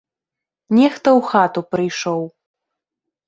Нехта ў хату прыйшоў.